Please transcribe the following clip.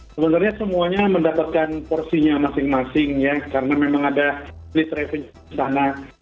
sebenarnya semuanya mendapatkan porsinya masing masing ya karena memang ada list revenue di sana